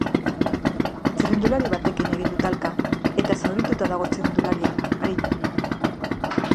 Txirrindulari batekin egin du talka, eta zaurituta dago txirrindularia, arin.